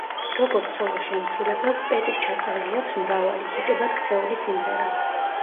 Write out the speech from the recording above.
როგორც სოლო შემსრულებელს, პეტის ჩაწერილი აქვს მრავალი, ჰიტებად ქცეული სიმღერა.